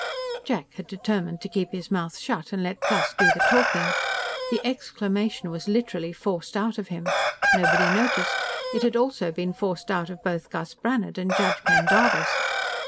_" Jack had determined to keep his mouth shut and let Gus do the talking. The exclamation was literally forced out of him. Nobody noticed; it had also been forced out of both Gus Brannhard and Judge Pendarvis.